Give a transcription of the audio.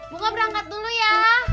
bu mau berangkat dulu ya